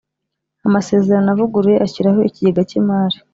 amasezerano avuguruye ashyiraho Ikigega cy imari